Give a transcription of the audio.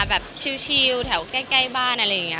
แบบชิลแถวใกล้บ้าน